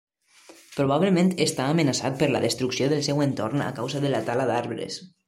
Probablement està amenaçat per la destrucció del seu entorn a causa de la tala d'arbres.